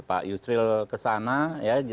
pak yusril kesana ya